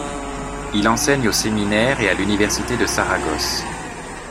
Il enseigne au séminaire et à l'université de Saragosse.